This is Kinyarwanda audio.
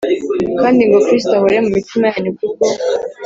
kandi ngo Kristo ahore mu mitima yanyu ku bwo